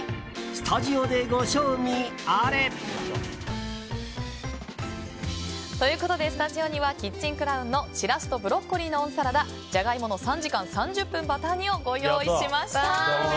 スタジオでご賞味あれ！ということで、スタジオにはＫＩＴＣＨＥＮＣＬＯＷＮのしらすとブロッコリーの温サラダじゃが芋の３時間３０分バター煮ご用意しました。